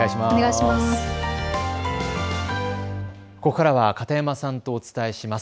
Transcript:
ここからは片山さんとお伝えします。